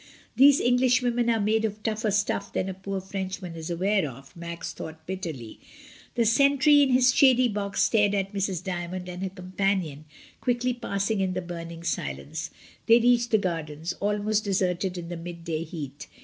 "These Englishwomen are made of tougher stuff than a poor Frenchman is aware of," Max thought bitterly. The sentry in his shady box stared at Mrs. Dymond and her companion quickly passing in the burning silence. They reached the gardens, almost deserted in the midday heat.